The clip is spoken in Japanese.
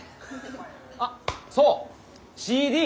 あっそう！